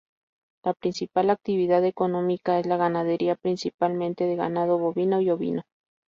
La principal actividad económica es la ganadería, principalmente de ganado bovino y ovino.